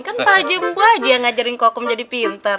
kan pak haji munggu aja yang ngajarin kokom jadi pinter